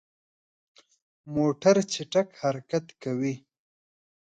موټر چټک حرکت کوي.